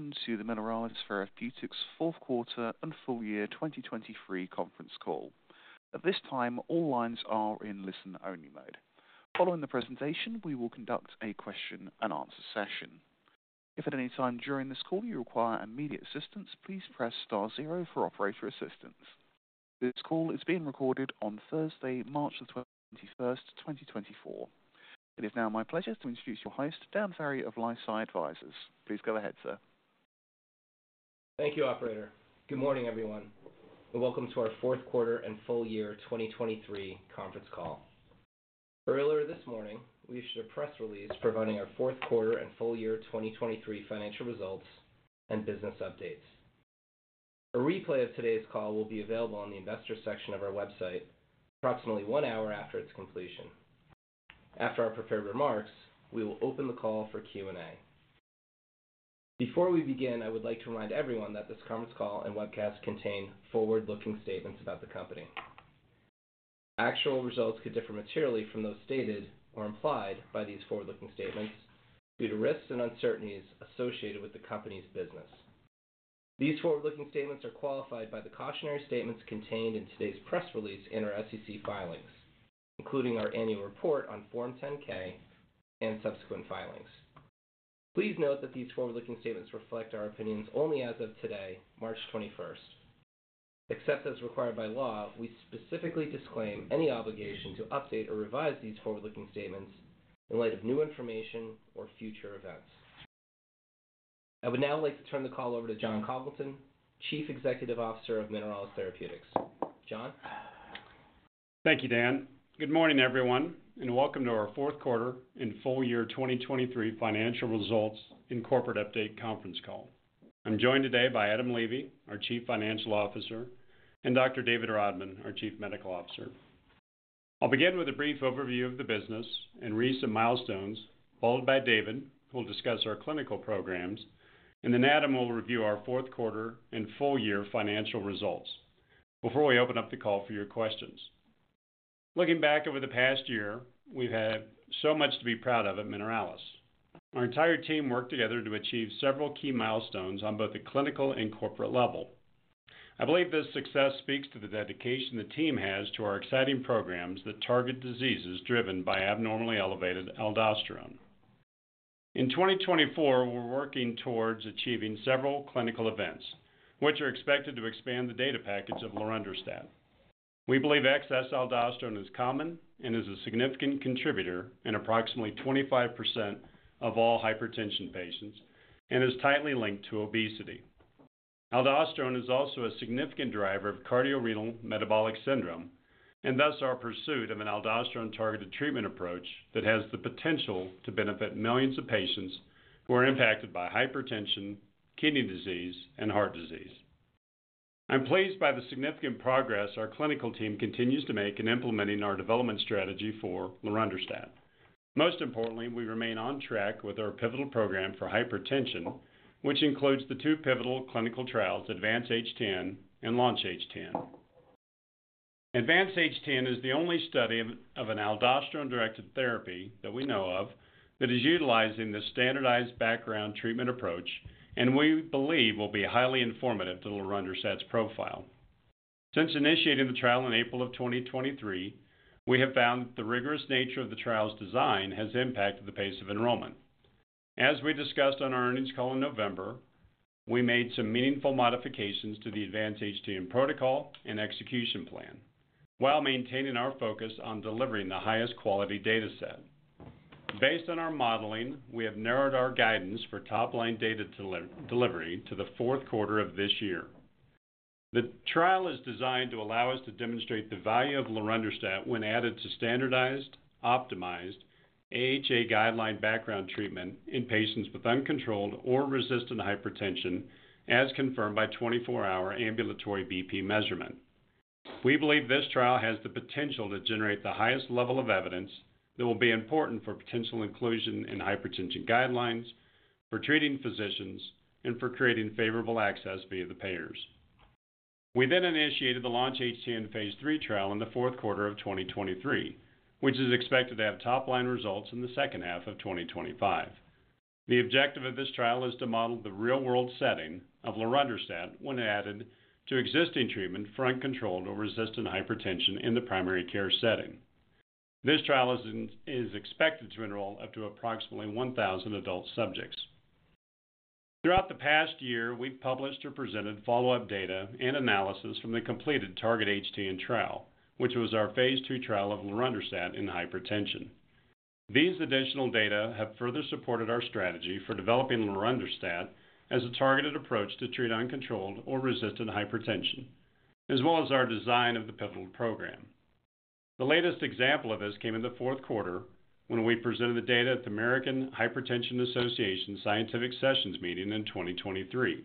Welcome to the Mineralys Therapeutics fourth quarter and full year 2023 conference call. At this time, all lines are in listen-only mode. Following the presentation, we will conduct a question-and-answer session. If at any time during this call you require immediate assistance, please press star zero for operator assistance. This call is being recorded on Thursday, March 21st, 2024. It is now my pleasure to introduce your host, Dan Ferry, of LifeSci Advisors. Please go ahead, sir. Thank you, operator. Good morning, everyone, and welcome to our fourth quarter and full year 2023 conference call. Earlier this morning, we issued a press release providing our fourth quarter and full year 2023 financial results and business updates. A replay of today's call will be available on the investor section of our website approximately one hour after its completion. After our prepared remarks, we will open the call for Q&A. Before we begin, I would like to remind everyone that this conference call and webcast contain forward-looking statements about the company. Actual results could differ materially from those stated or implied by these forward-looking statements due to risks and uncertainties associated with the company's business. These forward-looking statements are qualified by the cautionary statements contained in today's press release and our SEC filings, including our annual report on Form 10-K and subsequent filings. Please note that these forward-looking statements reflect our opinions only as of today, March 21st. Except as required by law, we specifically disclaim any obligation to update or revise these forward-looking statements in light of new information or future events. I would now like to turn the call over to Jon Congleton, Chief Executive Officer of Mineralys Therapeutics. Jon? Thank you, Dan. Good morning, everyone, and welcome to our fourth quarter and full year 2023 financial results and corporate update conference call. I'm joined today by Adam Levy, our Chief Financial Officer, and Dr. David Rodman, our Chief Medical Officer. I'll begin with a brief overview of the business and recent milestones, followed by David, who will discuss our clinical programs, and then Adam will review our fourth quarter and full year financial results before we open up the call for your questions. Looking back over the past year, we've had so much to be proud of at Mineralys. Our entire team worked together to achieve several key milestones on both the clinical and corporate level. I believe this success speaks to the dedication the team has to our exciting programs that target diseases driven by abnormally elevated aldosterone. In 2024, we're working towards achieving several clinical events, which are expected to expand the data package of lorundrostat. We believe excess aldosterone is common and is a significant contributor in approximately 25% of all hypertension patients and is tightly linked to obesity. Aldosterone is also a significant driver of cardiorenal metabolic syndrome and thus our pursuit of an aldosterone-targeted treatment approach that has the potential to benefit millions of patients who are impacted by hypertension, kidney disease, and heart disease. I'm pleased by the significant progress our clinical team continues to make in implementing our development strategy for lorundrostat. Most importantly, we remain on track with our pivotal program for hypertension, which includes the two pivotal clinical trials, Advance-HTN and Launch-HTN. Advance-HTN is the only study of an aldosterone-directed therapy that we know of that is utilizing this standardized background treatment approach and we believe will be highly informative to the lorundrostat's profile. Since initiating the trial in April 2023, we have found that the rigorous nature of the trial's design has impacted the pace of enrollment. As we discussed on our earnings call in November, we made some meaningful modifications to the Advance-HTN protocol and execution plan while maintaining our focus on delivering the highest quality data set. Based on our modeling, we have narrowed our guidance for top-line data delivery to the fourth quarter of this year. The trial is designed to allow us to demonstrate the value of lorundrostat when added to standardized, optimized AHA guideline background treatment in patients with uncontrolled or resistant hypertension, as confirmed by 24-hour ambulatory BP measurement. We believe this trial has the potential to generate the highest level of evidence that will be important for potential inclusion in hypertension guidelines, for treating physicians, and for creating favorable access via the payers. We then initiated the Launch-HTN phase III trial in the fourth quarter of 2023, which is expected to have top-line results in the second half of 2025. The objective of this trial is to model the real-world setting of lorundrostat when added to existing treatment for uncontrolled or resistant hypertension in the primary care setting. This trial is expected to enroll up to approximately 1,000 adult subjects. Throughout the past year, we've published or presented follow-up data and analysis from the completed Target-HTN trial, which was our phase II trial of lorundrostat in hypertension. These additional data have further supported our strategy for developing lorundrostat as a targeted approach to treat uncontrolled or resistant hypertension, as well as our design of the pivotal program. The latest example of this came in the fourth quarter when we presented the data at the American Hypertension Association Scientific Sessions meeting in 2023.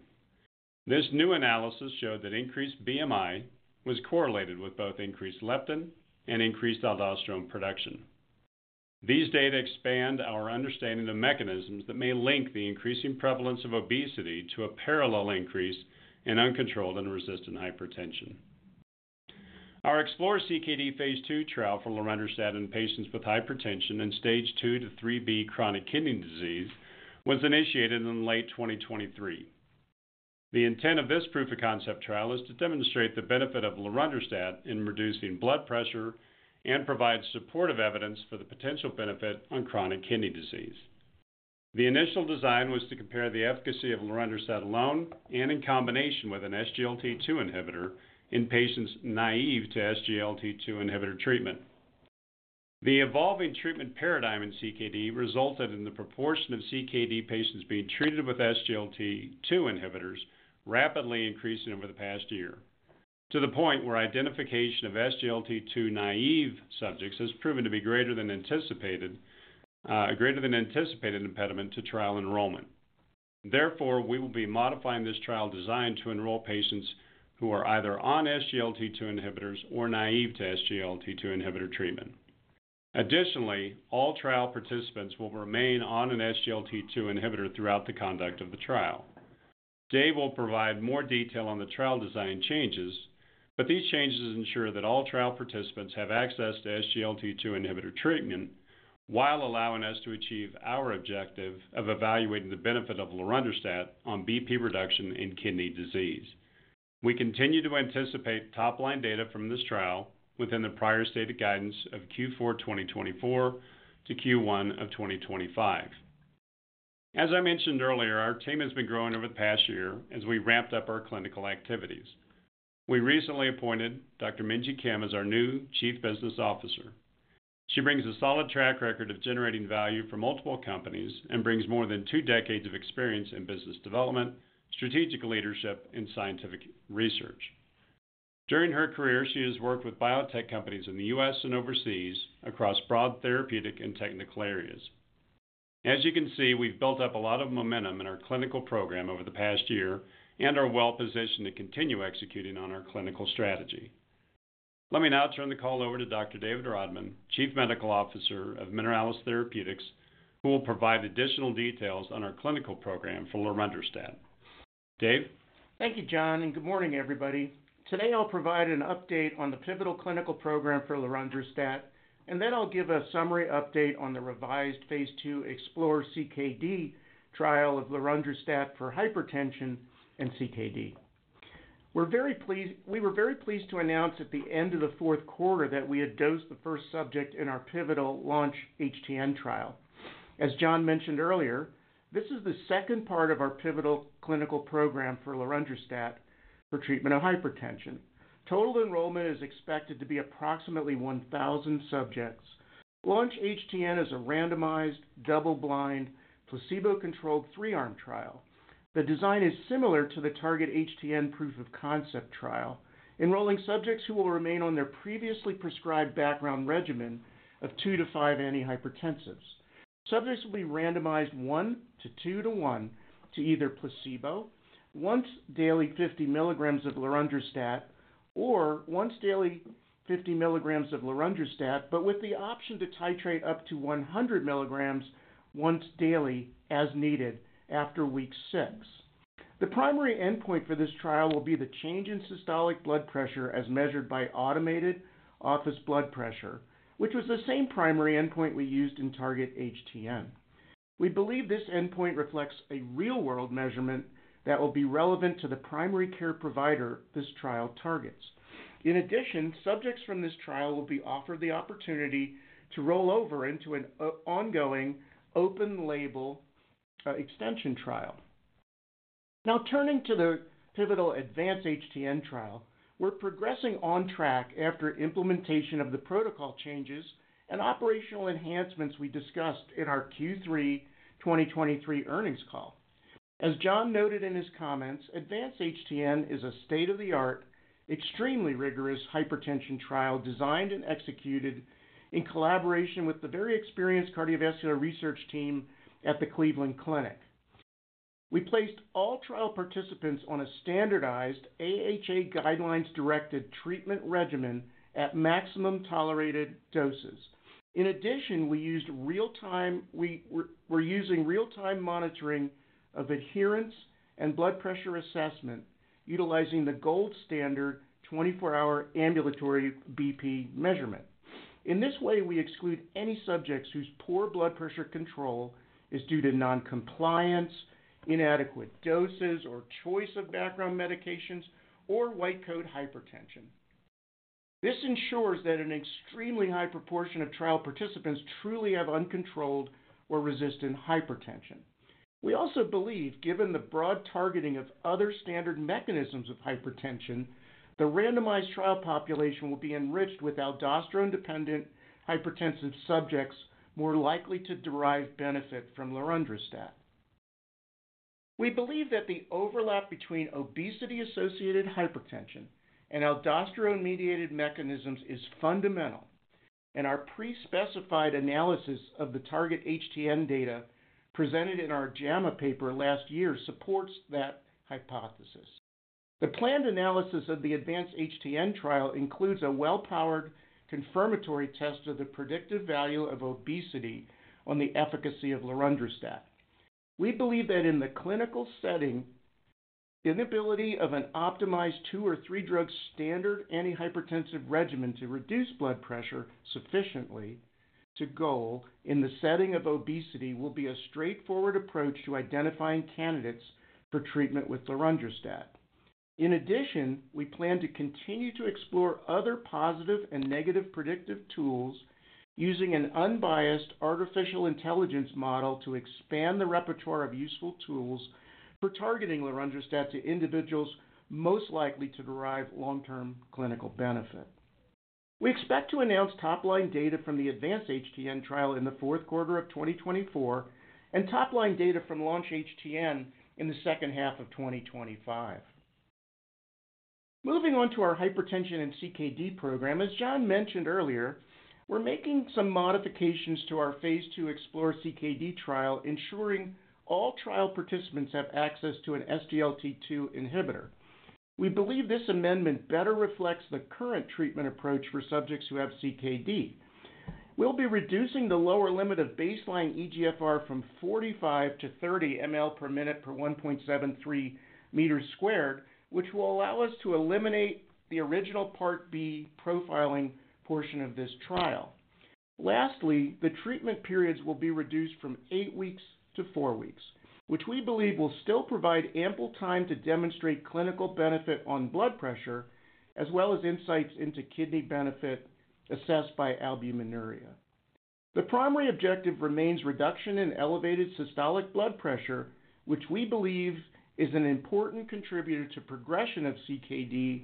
This new analysis showed that increased BMI was correlated with both increased leptin and increased aldosterone production. These data expand our understanding of mechanisms that may link the increasing prevalence of obesity to a parallel increase in uncontrolled and resistant hypertension. Our Explore-CKD phase II trial for lorundrostat in patients with hypertension and Stage II to IIIB chronic kidney disease was initiated in late 2023. The intent of this proof-of-concept trial is to demonstrate the benefit of lorundrostat in reducing blood pressure and provide supportive evidence for the potential benefit on chronic kidney disease. The initial design was to compare the efficacy of lorundrostat alone and in combination with an SGLT2 inhibitor in patients naive to SGLT2 inhibitor treatment. The evolving treatment paradigm in CKD resulted in the proportion of CKD patients being treated with SGLT2 inhibitors rapidly increasing over the past year, to the point where identification of SGLT2 naive subjects has proven to be greater than anticipated impediment to trial enrollment. Therefore, we will be modifying this trial design to enroll patients who are either on SGLT2 inhibitors or naive to SGLT2 inhibitor treatment. Additionally, all trial participants will remain on an SGLT2 inhibitor throughout the conduct of the trial. Dave will provide more detail on the trial design changes, but these changes ensure that all trial participants have access to SGLT2 inhibitor treatment while allowing us to achieve our objective of evaluating the benefit of lorundrostat on BP reduction in kidney disease. We continue to anticipate top-line data from this trial within the prior stated guidance of Q4 2024 to Q1 of 2025. As I mentioned earlier, our team has been growing over the past year as we ramped up our clinical activities. We recently appointed Dr. Minji Kim as our new Chief Business Officer. She brings a solid track record of generating value for multiple companies and brings more than two decades of experience in business development, strategic leadership, and scientific research. During her career, she has worked with biotech companies in the U.S. and overseas across broad therapeutic and technical areas. As you can see, we've built up a lot of momentum in our clinical program over the past year and are well-positioned to continue executing on our clinical strategy. Let me now turn the call over to Dr. David Rodman, Chief Medical Officer of Mineralys Therapeutics, who will provide additional details on our clinical program for lorundrostat. Dave? Thank you, Jon, and good morning, everybody. Today I'll provide an update on the pivotal clinical program for lorundrostat, and then I'll give a summary update on the revised phase II Explore-CKD trial of lorundrostat for hypertension and CKD. We were very pleased to announce at the end of the fourth quarter that we had dosed the first subject in our pivotal Launch-HTN trial. As Jon mentioned earlier, this is the second part of our pivotal clinical program for lorundrostat for treatment of hypertension. Total enrollment is expected to be approximately 1,000 subjects. Launch-HTN is a randomized, double-blind, placebo-controlled three-arm trial. The design is similar to the Target-HTN proof-of-concept trial, enrolling subjects who will remain on their previously prescribed background regimen of two to five antihypertensives. Subjects will be randomized 1:2:1 to either placebo, once daily 50 milligrams of lorundrostat, or once daily 50 milligrams of lorundrostat but with the option to titrate up to 100 milligrams once daily as needed after week six. The primary endpoint for this trial will be the change in systolic blood pressure as measured by automated office blood pressure, which was the same primary endpoint we used in Target-HTN. We believe this endpoint reflects a real-world measurement that will be relevant to the primary care provider this trial targets. In addition, subjects from this trial will be offered the opportunity to roll over into an ongoing open-label extension trial. Now, turning to the pivotal Advance-HTN trial, we're progressing on track after implementation of the protocol changes and operational enhancements we discussed in our Q3 2023 earnings call. As Jon noted in his comments, Advance-HTN is a state-of-the-art, extremely rigorous hypertension trial designed and executed in collaboration with the very experienced cardiovascular research team at the Cleveland Clinic. We placed all trial participants on a standardized AHA guidelines-directed treatment regimen at maximum tolerated doses. In addition, we used real-time monitoring of adherence and blood pressure assessment utilizing the gold standard 24-hour ambulatory BP measurement. In this way, we exclude any subjects whose poor blood pressure control is due to noncompliance, inadequate doses or choice of background medications, or white coat hypertension. This ensures that an extremely high proportion of trial participants truly have uncontrolled or resistant hypertension. We also believe, given the broad targeting of other standard mechanisms of hypertension, the randomized trial population will be enriched with aldosterone-dependent hypertensive subjects more likely to derive benefit from lorundrostat. We believe that the overlap between obesity-associated hypertension and aldosterone-mediated mechanisms is fundamental, and our pre-specified analysis of the Target-HTN data presented in our JAMA paper last year supports that hypothesis. The planned analysis of the Advance-HTN trial includes a well-powered confirmatory test of the predictive value of obesity on the efficacy of lorundrostat. We believe that in the clinical setting, the inability of an optimized two or three-drug standard antihypertensive regimen to reduce blood pressure sufficiently to goal in the setting of obesity will be a straightforward approach to identifying candidates for treatment with lorundrostat. In addition, we plan to continue to explore other positive and negative predictive tools using an unbiased artificial intelligence model to expand the repertoire of useful tools for targeting lorundrostat to individuals most likely to derive long-term clinical benefit. We expect to announce top-line data from the Advance-HTN trial in the fourth quarter of 2024 and top-line data from Launch-HTN in the second half of 2025. Moving on to our hypertension and CKD program, as Jon mentioned earlier, we're making some modifications to our phase 2 Explore-CKD trial, ensuring all trial participants have access to an SGLT2 inhibitor. We believe this amendment better reflects the current treatment approach for subjects who have CKD. We'll be reducing the lower limit of baseline eGFR from 45 mL/min per 1.73-30 mL/min per 1.73 meters squared, which will allow us to eliminate the original Part B profiling portion of this trial. Lastly, the treatment periods will be reduced from eight weeks to four weeks, which we believe will still provide ample time to demonstrate clinical benefit on blood pressure as well as insights into kidney benefit assessed by albuminuria. The primary objective remains reduction in elevated systolic blood pressure, which we believe is an important contributor to progression of CKD,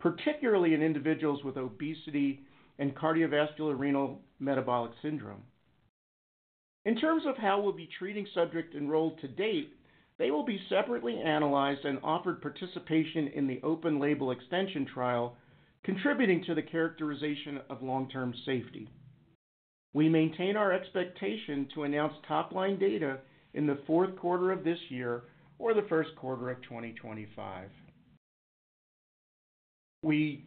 particularly in individuals with obesity and cardiorenal metabolic syndrome. In terms of how we'll be treating subjects enrolled to date, they will be separately analyzed and offered participation in the open-label extension trial, contributing to the characterization of long-term safety. We maintain our expectation to announce top-line data in the fourth quarter of this year or the first quarter of 2025. We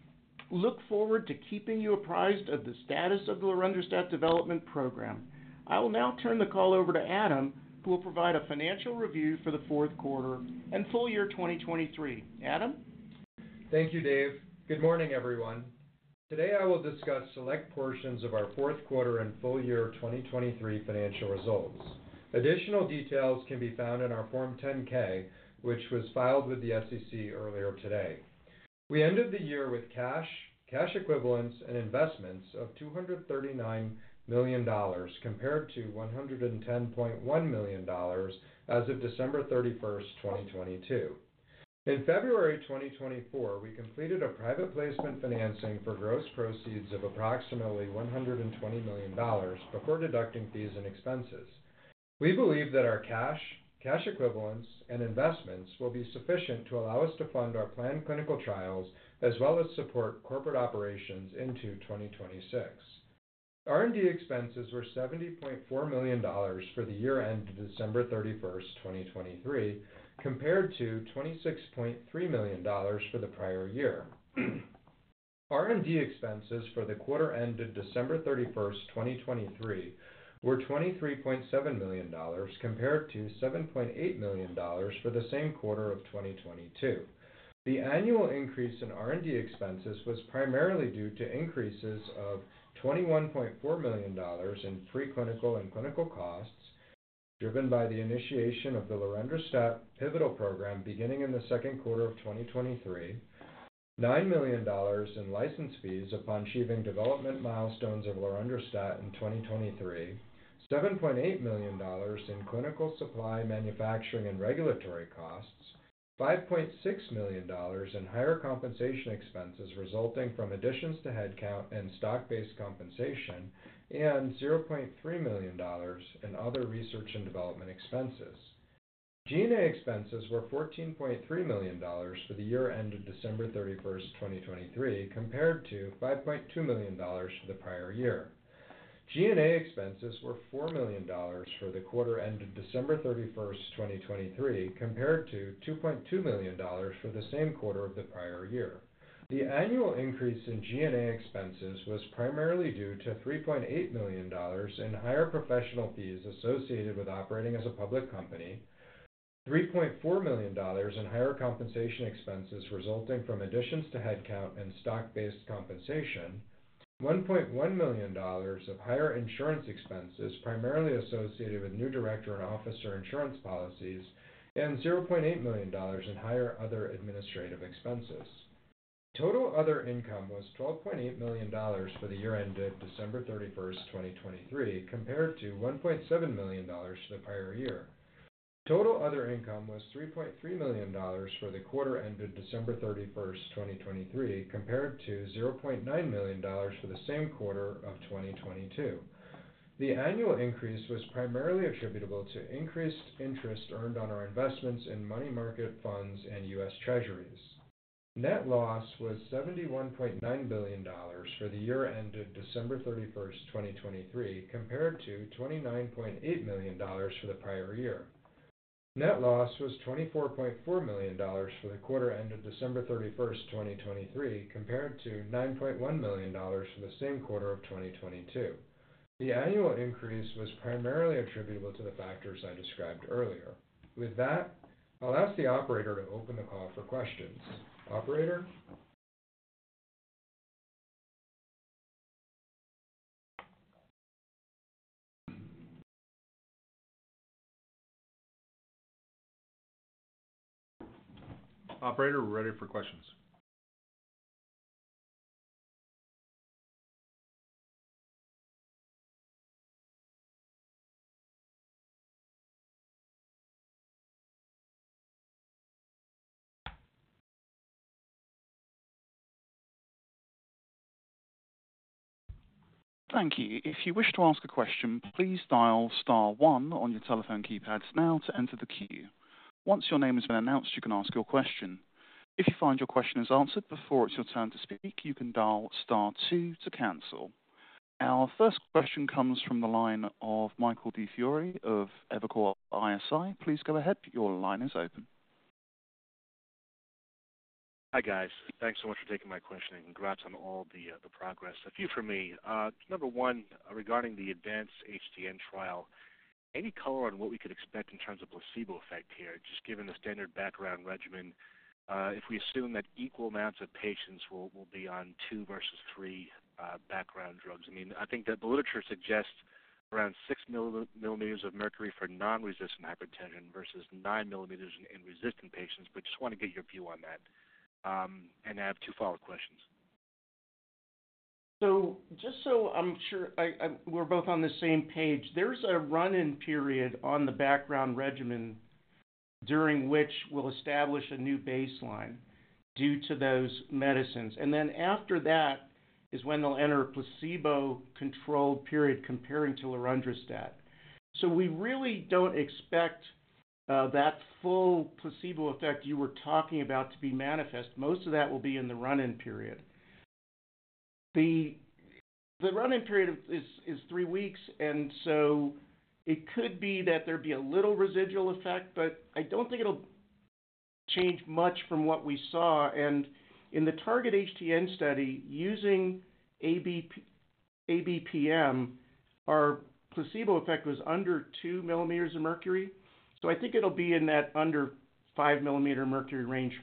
look forward to keeping you apprised of the status of the lorundrostat development program. I will now turn the call over to Adam, who will provide a financial review for the fourth quarter and full year 2023. Adam? Thank you, Dave. Good morning, everyone. Today I will discuss select portions of our fourth quarter and full year 2023 financial results. Additional details can be found in our Form 10-K, which was filed with the SEC earlier today. We ended the year with cash, cash equivalents, and investments of $239 million compared to $110.1 million as of December 31st, 2022. In February 2024, we completed a private placement financing for gross proceeds of approximately $120 million before deducting fees and expenses. We believe that our cash, cash equivalents, and investments will be sufficient to allow us to fund our planned clinical trials as well as support corporate operations into 2026. R&D expenses were $70.4 million for the year ended December 31st, 2023, compared to $26.3 million for the prior year. R&D expenses for the quarter ended December 31st, 2023, were $23.7 million compared to $7.8 million for the same quarter of 2022. The annual increase in R&D expenses was primarily due to increases of $21.4 million in preclinical and clinical costs driven by the initiation of the lorundrostat pivotal program beginning in the second quarter of 2023, $9 million in license fees upon achieving development milestones of lorundrostat in 2023, $7.8 million in clinical supply, manufacturing, and regulatory costs, $5.6 million in higher compensation expenses resulting from additions to headcount and stock-based compensation, and $0.3 million in other research and development expenses. G&A expenses were $14.3 million for the year ended December 31st, 2023, compared to $5.2 million for the prior year. G&A expenses were $4 million for the quarter ended December 31st, 2023, compared to $2.2 million for the same quarter of the prior year. The annual increase in G&A expenses was primarily due to $3.8 million in higher professional fees associated with operating as a public company, $3.4 million in higher compensation expenses resulting from additions to headcount and stock-based compensation, $1.1 million of higher insurance expenses primarily associated with new director and officer insurance policies, and $0.8 million in higher other administrative expenses. Total other income was $12.8 million for the year ended December 31st, 2023, compared to $1.7 million for the prior year. Total other income was $3.3 million for the quarter ended December 31st, 2023, compared to $0.9 million for the same quarter of 2022. The annual increase was primarily attributable to increased interest earned on our investments in money market funds and U.S. Treasuries. Net loss was $71.9 million for the year ended December 31st, 2023, compared to $29.8 million for the prior year. Net loss was $24.4 million for the quarter ended December 31st, 2023, compared to $9.1 million for the same quarter of 2022. The annual increase was primarily attributable to the factors I described earlier. With that, I'll ask the operator to open the call for questions. Operator? Operator, we're ready for questions. Thank you. If you wish to ask a question, please dial star one on your telephone keypads now to enter the queue. Once your name has been announced, you can ask your question. If you find your question is answered before it's your turn to speak, you can dial star two to cancel. Our first question comes from the line of Michael DiFiore of Evercore ISI. Please go ahead. Your line is open. Hi guys. Thanks so much for taking my question and congrats on all the progress. A few for me. Number one, regarding the Advance-HTN trial, any color on what we could expect in terms of placebo effect here, just given the standard background regimen? If we assume that equal amounts of patients will be on two versus three background drugs, I mean, I think that the literature suggests around 6 millimeters of mercury for non-resistant hypertension versus 9 millimeters in resistant patients, but just want to get your view on that and have two follow-up questions. So just so I'm sure we're both on the same page, there's a run-in period on the background regimen during which we'll establish a new baseline due to those medicines. And then after that is when they'll enter a placebo-controlled period comparing to lorundrostat. So we really don't expect that full placebo effect you were talking about to be manifest. Most of that will be in the run-in period. The run-in period is 3 weeks, and so it could be that there'd be a little residual effect, but I don't think it'll change much from what we saw. And in the Target-HTN study, using ABPM, our placebo effect was under 2 millimeters of mercury. So I think it'll be in that under 5 millimeters of mercury range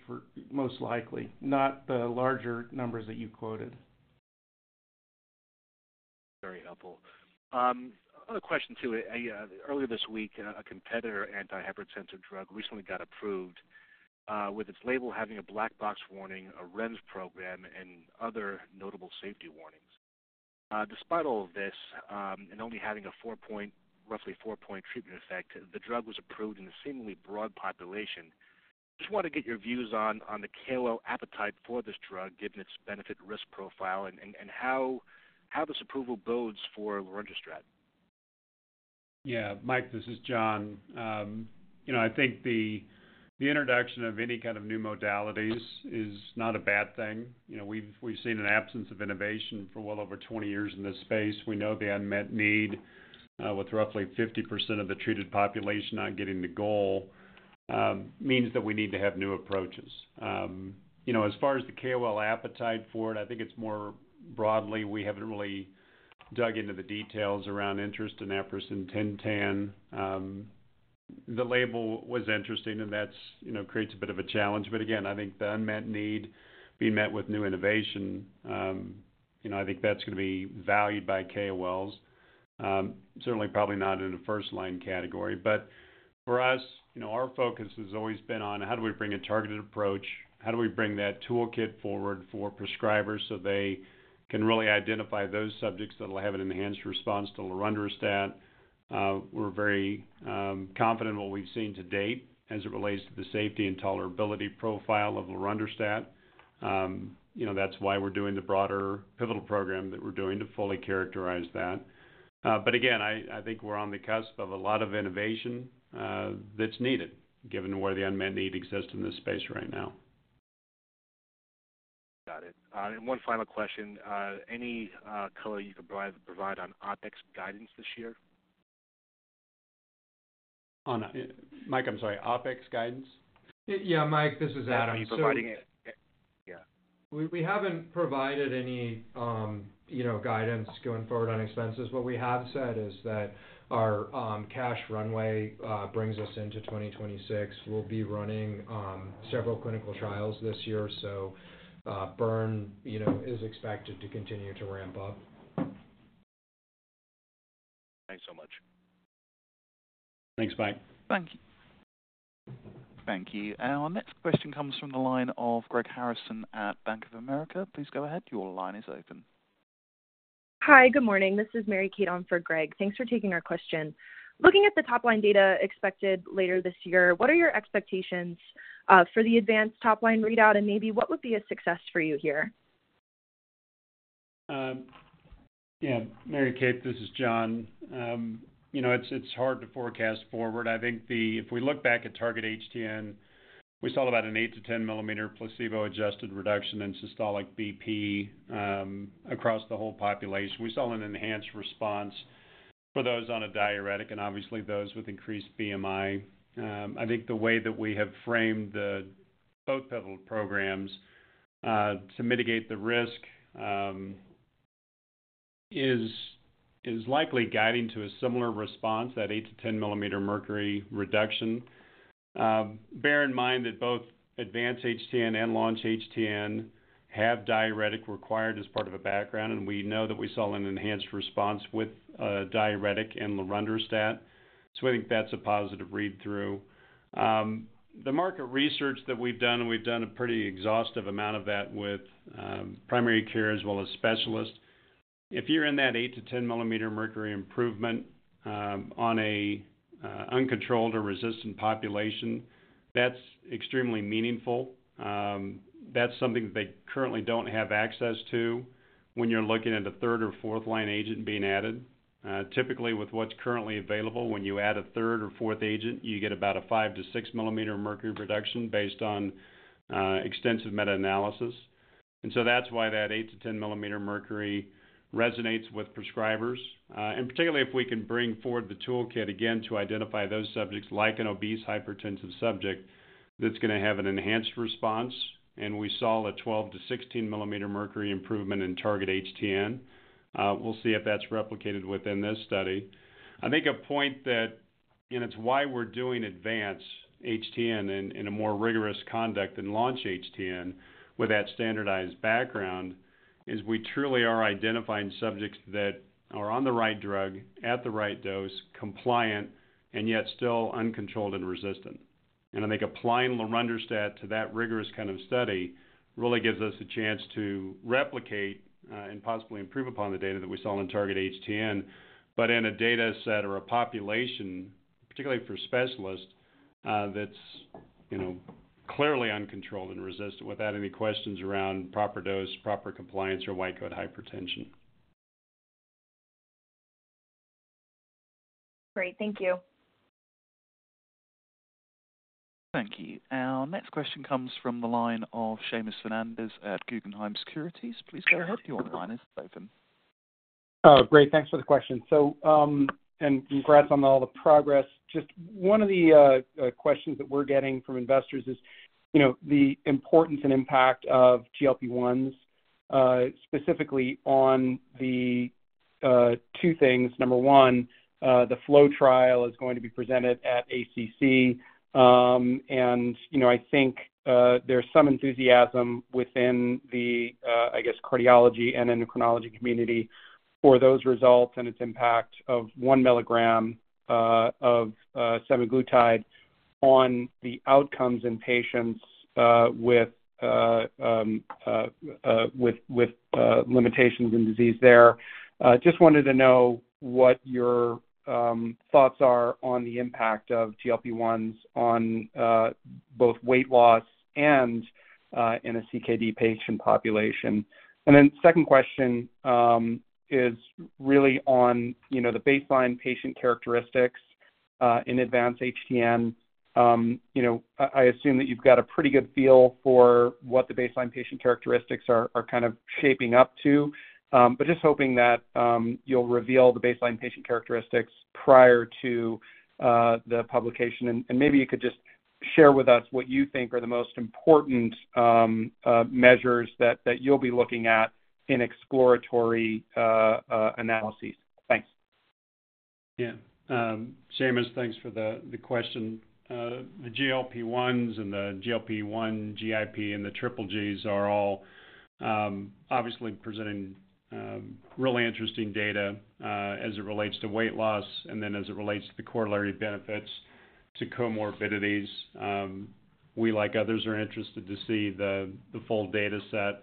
most likely, not the larger numbers that you quoted. Very helpful. Another question too. Earlier this week, a competitor antihypertensive drug recently got approved with its label having a black box warning, a REMS program, and other notable safety warnings. Despite all of this and only having a roughly 4-point treatment effect, the drug was approved in a seemingly broad population. Just want to get your views on the commercial appetite for this drug given its benefit-risk profile and how this approval bodes for lorundrostat. Yeah, Mike, this is Jon. I think the introduction of any kind of new modalities is not a bad thing. We've seen an absence of innovation for well over 20 years in this space. We know the unmet need with roughly 50% of the treated population not getting the goal means that we need to have new approaches. As far as the KOL appetite for it, I think it's more broadly we haven't really dug into the details around interest in aprocitentan. The label was interesting, and that creates a bit of a challenge. But again, I think the unmet need being met with new innovation, I think that's going to be valued by KOLs, certainly probably not in a first-line category. But for us, our focus has always been on how do we bring a targeted approach? How do we bring that toolkit forward for prescribers so they can really identify those subjects that'll have an enhanced response to lorundrostat? We're very confident in what we've seen to date as it relates to the safety and tolerability profile of lorundrostat. That's why we're doing the broader pivotal program that we're doing to fully characterize that. But again, I think we're on the cusp of a lot of innovation that's needed given where the unmet need exists in this space right now. Got it. One final question. Any color you could provide on OpEx guidance this year? Mike, I'm sorry. OpEx guidance? Yeah, Mike. This is Adam. I mean, providing it, yeah. We haven't provided any guidance going forward on expenses. What we have said is that our cash runway brings us into 2026. We'll be running several clinical trials this year, so BURN is expected to continue to ramp up. Thanks so much. Thanks, Mike. Thank you. Thank you. Our next question comes from the line of Greg Harrison at Bank of America. Please go ahead. Your line is open. Hi, good morning. This is Mary Cate Sciarra for Greg. Thanks for taking our question. Looking at the top-line data expected later this year, what are your expectations for the advanced top-line readout, and maybe what would be a success for you here? Yeah, Mary Cate, this is Jon. It's hard to forecast forward. I think if we look back at Target-HTN, we saw about an 8 millimeter-10 millimeter placebo-adjusted reduction in systolic BP across the whole population. We saw an enhanced response for those on a diuretic and obviously those with increased BMI. I think the way that we have framed both pivotal programs to mitigate the risk is likely guiding to a similar response, that 8 millimeter-10 millimeter mercury reduction. Bear in mind that both Advance-HTN and Launch-HTN have diuretic required as part of a background, and we know that we saw an enhanced response with a diuretic and lorundrostat. So I think that's a positive read-through. The market research that we've done, and we've done a pretty exhaustive amount of that with primary care as well as specialists, if you're in that 8 mmHg-10 mm Hg improvement on an uncontrolled or resistant population, that's extremely meaningful. That's something that they currently don't have access to when you're looking at a third or fourth-line agent being added. Typically, with what's currently available, when you add a third or fourth agent, you get about a 5 mm Hg-6 mm Hg reduction based on extensive meta-analysis. And so that's why that 8 mm Hg-10 mm Hg resonates with prescribers, and particularly if we can bring forward the toolkit, again, to identify those subjects like an obese hypertensive subject that's going to have an enhanced response. And we saw a 12 mm Hg-16 mm Hg improvement in Target-HTN. We'll see if that's replicated within this study. I think a point that and it's why we're doing Advance-HTN in a more rigorous conduct than Launch-HTN with that standardized background is we truly are identifying subjects that are on the right drug, at the right dose, compliant, and yet still uncontrolled and resistant. And I think applying lorundrostat to that rigorous kind of study really gives us a chance to replicate and possibly improve upon the data that we saw in Target-HTN, but in a dataset or a population, particularly for specialists, that's clearly uncontrolled and resistant without any questions around proper dose, proper compliance, or white coat hypertension. Great. Thank you. Thank you. Our next question comes from the line of Seamus Fernandez at Guggenheim Securities. Please go ahead. Your line is open. Great. Thanks for the question. And congrats on all the progress. Just one of the questions that we're getting from investors is the importance and impact of GLP-1s, specifically on the two things. Number one, the FLOW trial is going to be presented at ACC. And I think there's some enthusiasm within the, I guess, cardiology and endocrinology community for those results and its impact of 1 milligram of semaglutide on the outcomes in patients with limitations in disease there. Just wanted to know what your thoughts are on the impact of GLP-1s on both weight loss and in a CKD patient population. And then the second question is really on the baseline patient characteristics in Advance-HTN. I assume that you've got a pretty good feel for what the baseline patient characteristics are kind of shaping up to, but just hoping that you'll reveal the baseline patient characteristics prior to the publication. Maybe you could just share with us what you think are the most important measures that you'll be looking at in exploratory analyses. Thanks. Yeah. Seamus, thanks for the question. The GLP-1s and the GLP-1, GIP, and the GGGs are all obviously presenting really interesting data as it relates to weight loss and then as it relates to the corollary benefits to comorbidities. We, like others, are interested to see the full dataset.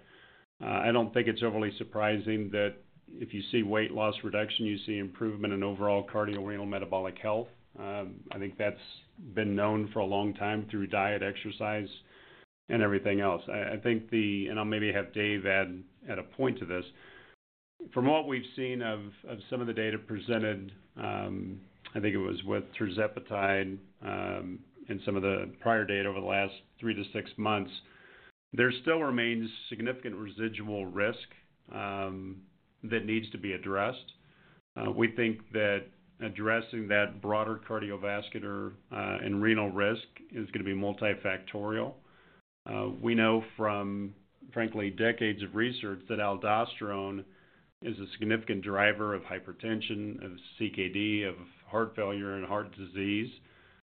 I don't think it's overly surprising that if you see weight loss reduction, you see improvement in overall cardiorenal metabolic health. I think that's been known for a long time through diet, exercise, and everything else. And I'll maybe have Dave add a point to this. From what we've seen of some of the data presented, I think it was with tirzepatide and some of the prior data over the last three to six months, there still remains significant residual risk that needs to be addressed. We think that addressing that broader cardiovascular and renal risk is going to be multifactorial. We know from, frankly, decades of research that aldosterone is a significant driver of hypertension, of CKD, of heart failure, and heart disease.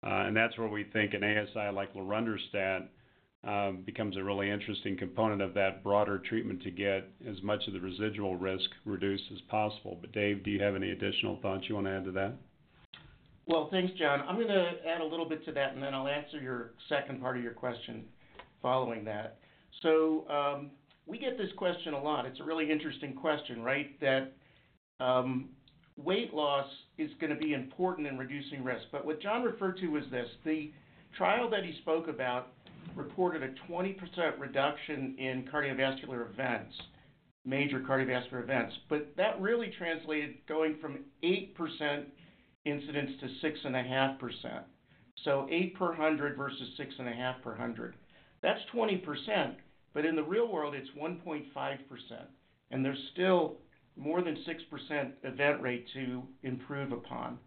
And that's where we think an ASI like lorundrostat becomes a really interesting component of that broader treatment to get as much of the residual risk reduced as possible. But Dave, do you have any additional thoughts you want to add to that? Well, thanks, Jon. I'm going to add a little bit to that, and then I'll answer your second part of your question following that. So we get this question a lot. It's a really interesting question, right, that weight loss is going to be important in reducing risk. But what Jon referred to was this. The trial that he spoke about reported a 20% reduction in major cardiovascular events, but that really translated going from 8% incidence to 6.5%. So 8 per 100 versus 6.5 per 100. That's 20%, but in the real world, it's 1.5%, and there's still more than 6% event rate to improve upon.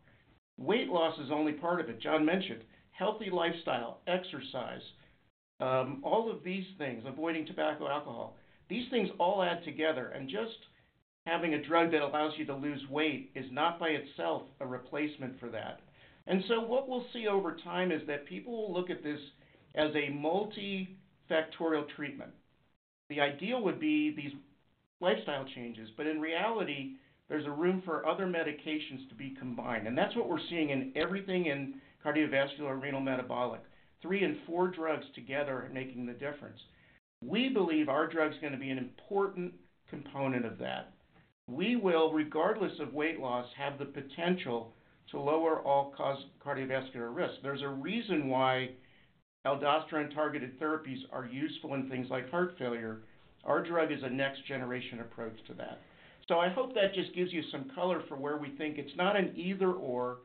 Weight loss is only part of it. Jon mentioned healthy lifestyle, exercise, all of these things, avoiding tobacco, alcohol, these things all add together. And just having a drug that allows you to lose weight is not by itself a replacement for that. What we'll see over time is that people will look at this as a multifactorial treatment. The ideal would be these lifestyle changes, but in reality, there's room for other medications to be combined. That's what we're seeing in everything in cardiovascular and renal metabolic. three and four drugs together are making the difference. We believe our drug's going to be an important component of that. We will, regardless of weight loss, have the potential to lower all-cause cardiovascular risk. There's a reason why aldosterone-targeted therapies are useful in things like heart failure. Our drug is a next-generation approach to that. I hope that just gives you some color for where we think. It's not an either/or,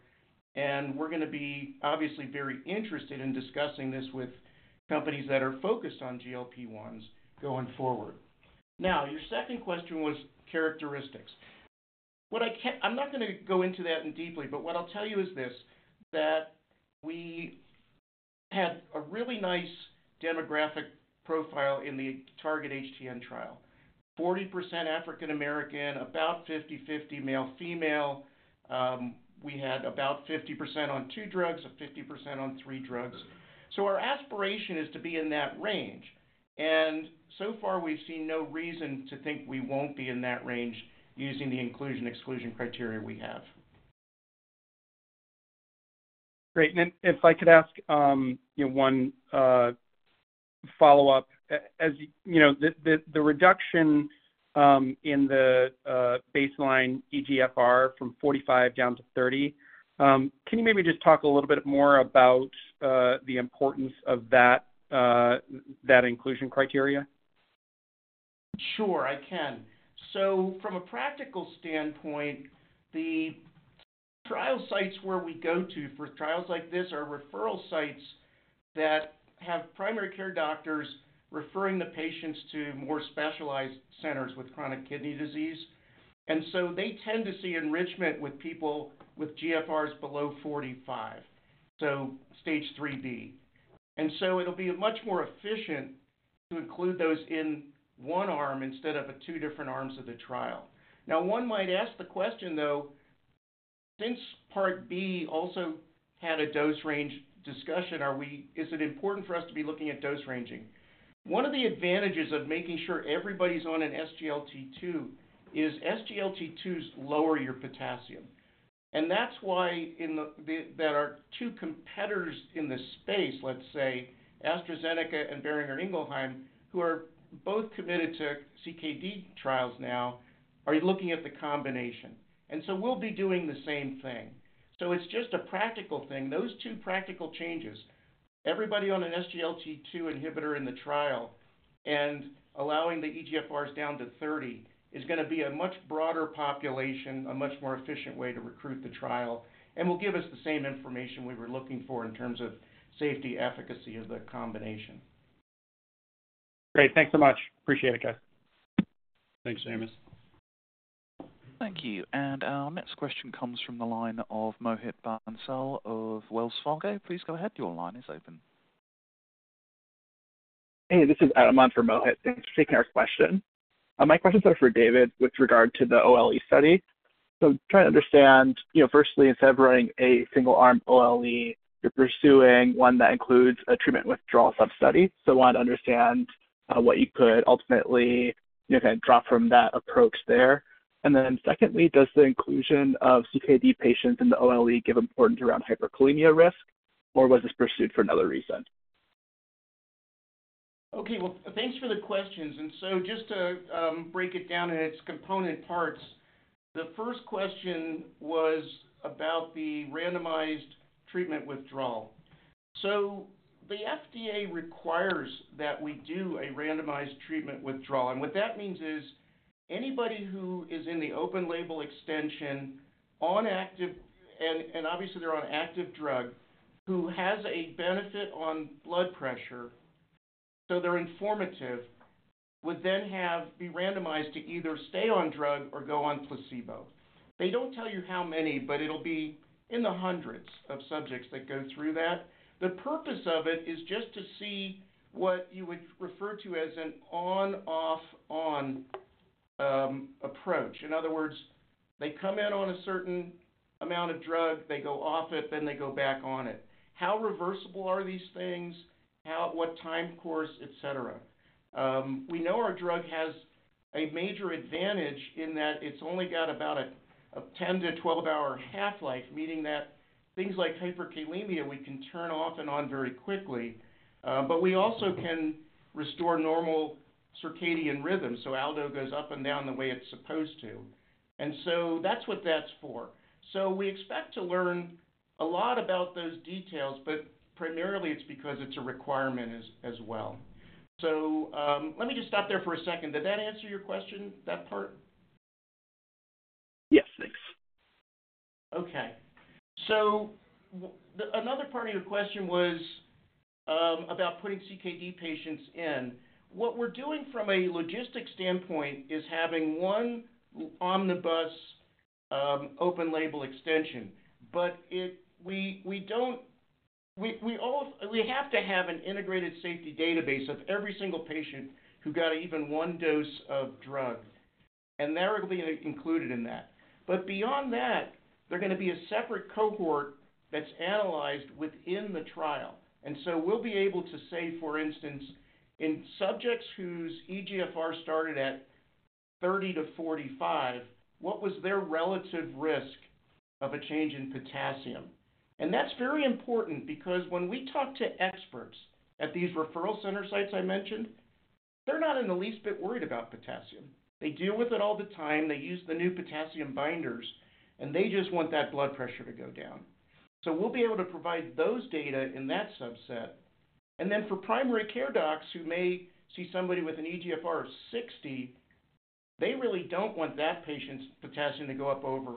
and we're going to be obviously very interested in discussing this with companies that are focused on GLP-1s going forward. Now, your second question was characteristics. I'm not going to go into that deeply, but what I'll tell you is this: that we had a really nice demographic profile in the Target-HTN trial. 40% African-American, about 50/50 male/female. We had about 50% on two drugs, 50% on three drugs. So our aspiration is to be in that range. And so far, we've seen no reason to think we won't be in that range using the inclusion/exclusion criteria we have. Great. And if I could ask one follow-up. The reduction in the baseline eGFR from 45 down to 30, can you maybe just talk a little bit more about the importance of that inclusion criteria? Sure, I can. So from a practical standpoint, the trial sites where we go to for trials like this are referral sites that have primary care doctors referring the patients to more specialized centers with chronic kidney disease. They tend to see enrichment with people with GFRs below 45, so stage 3B. And so it'll be much more efficient to include those in one arm instead of two different arms of the trial. Now, one might ask the question, though, since part B also had a dose range discussion, is it important for us to be looking at dose ranging? One of the advantages of making sure everybody's on an SGLT2 is SGLT2s lower your potassium. And that's why our two competitors in this space, let's say AstraZeneca and Boehringer Ingelheim, who are both committed to CKD trials now, are looking at the combination. And so we'll be doing the same thing. So it's just a practical thing. Those two practical changes, everybody on an SGLT2 inhibitor in the trial and allowing the eGFRs down to 30, is going to be a much broader population, a much more efficient way to recruit the trial, and will give us the same information we were looking for in terms of safety, efficacy of the combination. Great. Thanks so much. Appreciate it, guys. Thanks, Seamus. Thank you. Our next question comes from the line of Mohit Bansal of Wells Fargo. Please go ahead. Your line is open. Hey, this is Adam Munt for Mohit. Thanks for taking our question. My questions are for David with regard to the OLE study. I'm trying to understand, firstly, instead of running a single-arm OLE, you're pursuing one that includes a treatment withdrawal substudy. I wanted to understand what you could ultimately kind of draw from that approach there. Then secondly, does the inclusion of CKD patients in the OLE give importance around hyperkalemia risk, or was this pursued for another reason? Okay. Well, thanks for the questions. And so just to break it down in its component parts, the first question was about the randomized treatment withdrawal. So the FDA requires that we do a randomized treatment withdrawal. And what that means is anybody who is in the open-label extension on active and obviously, they're on active drug who has a benefit on blood pressure, so they're informative, would then be randomized to either stay on drug or go on placebo. They don't tell you how many, but it'll be in the hundreds of subjects that go through that. The purpose of it is just to see what you would refer to as an on-off-on approach. In other words, they come in on a certain amount of drug, they go off it, then they go back on it. How reversible are these things? What time course, etc.? We know our drug has a major advantage in that it's only got about a 10-12-hour half-life, meaning that things like hyperkalemia, we can turn off and on very quickly, but we also can restore normal circadian rhythm. So Aldo goes up and down the way it's supposed to. And so that's what that's for. So we expect to learn a lot about those details, but primarily, it's because it's a requirement as well. So let me just stop there for a second. Did that answer your question, that part? Yes, thanks. Okay. So another part of your question was about putting CKD patients in. What we're doing from a logistic standpoint is having one omnibus open-label extension. But we have to have an integrated safety database of every single patient who got even one dose of drug. And they're going to be included in that. But beyond that, there's going to be a separate cohort that's analyzed within the trial. And so we'll be able to say, for instance, in subjects whose eGFR started at 30-45, what was their relative risk of a change in potassium? And that's very important because when we talk to experts at these referral center sites I mentioned, they're not in the least bit worried about potassium. They deal with it all the time. They use the new potassium binders, and they just want that blood pressure to go down. We'll be able to provide those data in that subset. Then for primary care docs who may see somebody with an eGFR of 60, they really don't want that patient's potassium to go up over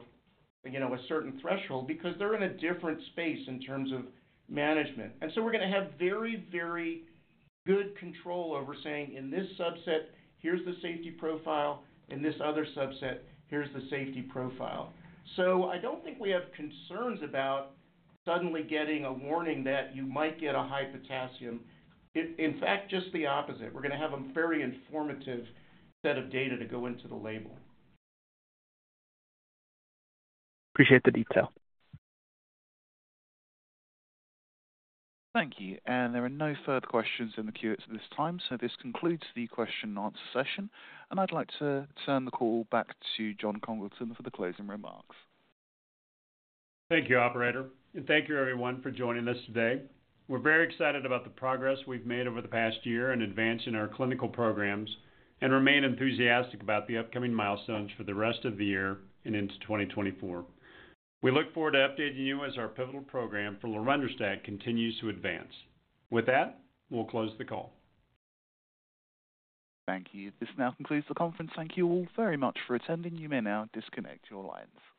a certain threshold because they're in a different space in terms of management. So we're going to have very, very good control over saying, "In this subset, here's the safety profile. In this other subset, here's the safety profile." I don't think we have concerns about suddenly getting a warning that you might get a high potassium. In fact, just the opposite. We're going to have a very informative set of data to go into the label. Appreciate the detail. Thank you. There are no further questions in the queue at this time. This concludes the question-and-answer session. I'd like to turn the call back to Jon Congleton for the closing remarks. Thank you, operator. Thank you, everyone, for joining us today. We're very excited about the progress we've made over the past year in advancing our clinical programs and remain enthusiastic about the upcoming milestones for the rest of the year and into 2024. We look forward to updating you as our pivotal program for lorundrostat continues to advance. With that, we'll close the call. Thank you. This now concludes the conference. Thank you all very much for attending. You may now disconnect your lines.